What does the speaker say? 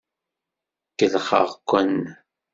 Kellxeɣ-ken.